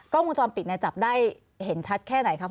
กล้องความจำปิดจับได้เห็นชัดแค่ไหนครับพ่อ